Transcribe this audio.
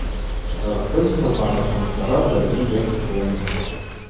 Рпхӏвысчваква анаквымшвара даргьи гьаквшвум.